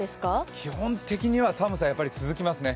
基本的には寒さが続きますね。